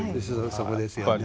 そこですよね。